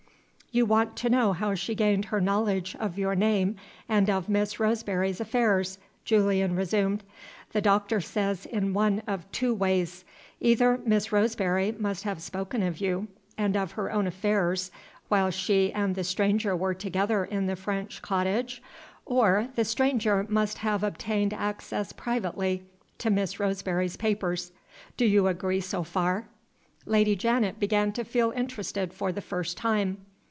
"You want to know how she gained her knowledge of your name and of Miss Roseberry's affairs," Julian resumed. "The doctor says in one of two ways. Either Miss Roseberry must have spoken of you and of her own affairs while she and the stranger were together in the French cottage, or the stranger must have obtained access privately to Miss Roseberry's papers. Do you agree so far?" Lady Janet began to feel interested for the first time.